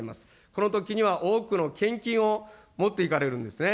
このときには多くの献金を持っていかれるんですね。